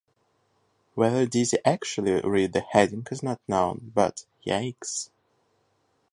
Whether Dizzy actually read the heading is not known but - yikes!